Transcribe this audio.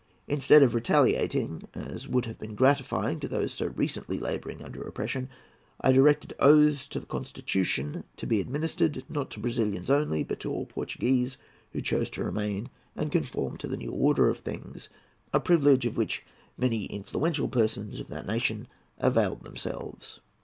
Instead of retaliating, as would have been gratifying to those so recently labouring under oppression, I directed oaths to the constitution to be administered, not to Brazilians only, but also to all Portuguese who chose to remain and conform to the new order of things; a privilege of which many influential persons of that nation availed themselves."